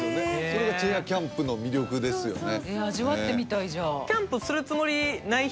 それがチェアキャンプの魅力ですよね